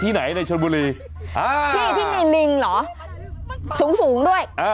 ไม่ได้ไม่จอด